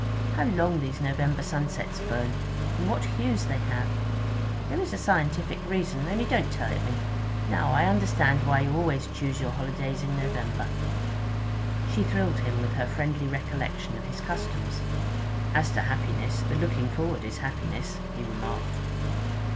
How long these November sunsets burn, and what hues they have! There is a scientific reason, only don't tell it me. Now I understand why you always used to choose your holidays in November.' She thrilled him with her friendly recollection of his customs. 'As to happiness, the looking forward is happiness,' he remarked.